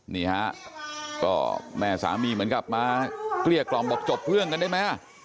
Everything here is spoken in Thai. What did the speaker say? นี่ฮะก็แม่สามีเหมือนกับมาเกลี้ยกล่อมบอกจบเรื่องกันได้ไหม